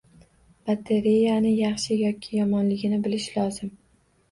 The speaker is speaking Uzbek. -Batareyani yaxshi yoki yomonligini bilish lozim.